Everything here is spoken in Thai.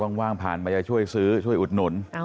ก็ต้องว่างผ่านมาช่วยซื้อช่วยอุดหนน